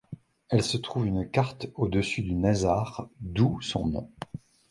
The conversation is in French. Elle se trouve une quarte au-dessus du nasard, d'où son nom.